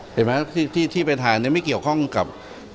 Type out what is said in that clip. เห็นไหมที่ไปทานไม่เกี่ยวข้องกับ